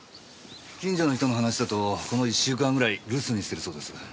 近所の人の話だとこの１週間ぐらい留守にしてるそうです。